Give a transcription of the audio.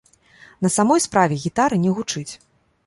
На самой справе, гітара не гучыць.